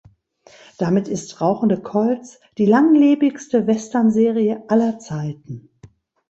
Damit ist "Rauchende Colts" die langlebigste Westernserie aller Zeiten.